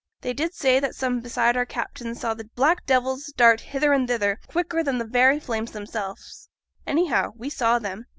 They did say that some beside our captain saw the black devils dart hither and thither, quicker than the very flames themselves; anyhow, he saw them.